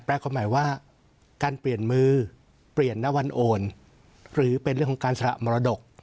ความหมายว่าการเปลี่ยนมือเปลี่ยนณวันโอนหรือเป็นเรื่องของการสละมรดก